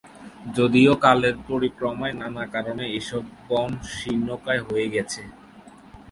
যদিও কালের পরিক্রমায় নানা কারণে এসব বন শীর্ণকায় হয়ে গেছে।